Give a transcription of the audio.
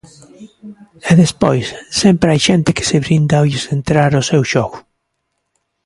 E despois sempre hai xente que se brinda a lles entrar ao seu xogo.